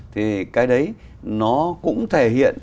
thì cái đấy nó cũng thể hiện